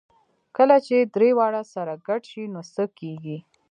کله چې درې واړه سره ګډ شي نو څه کېږي؟